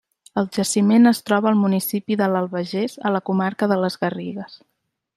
El jaciment es troba al municipi de l'Albagés, a la comarca de les Garrigues.